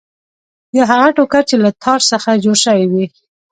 یا هغه ټوکر چې له تار څخه جوړ شوی وي.